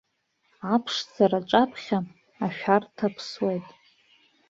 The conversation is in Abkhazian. Аԥшӡара аҿаԥхьа ашәарҭа ԥсуеит.